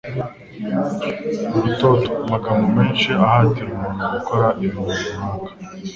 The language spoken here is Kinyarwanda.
Urutoto: Amagambo menshi ahatira umuntu gukora ikintu runaka.